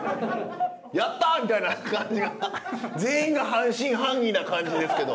やった！みたいな感じが全員が半信半疑な感じですけど。